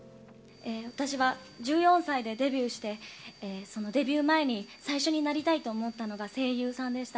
私は１４歳でデビューして、デビュー前に最初になりたいと思ったのが声優さんでした。